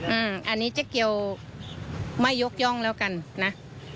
อืมอันนี้เจ๊เกียวไม่ยกย่องแล้วกันนะ